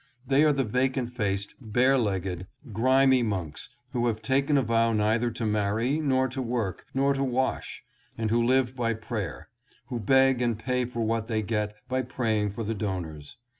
They are the vacant faced, bare legged, grimy monks, who have taken a vow neither to marry, nor to work, nor to wash, and who live by prayer ; who beg and pay for what they get by praying for the donors.